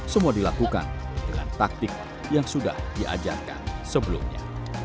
semua dilakukan dengan taktik yang sudah diajarkan sebelumnya